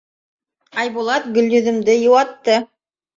Айбулат Гөлйөҙөмдө йыуатты: